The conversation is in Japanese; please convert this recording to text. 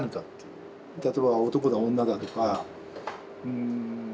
例えば男だ女だとかうん。